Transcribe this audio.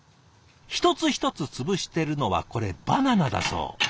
一つ一つ潰してるのはこれバナナだそう。